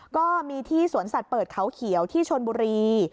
ก็มีที่สวนสัตว์เปิดเขาเขียวที่ชนบุรี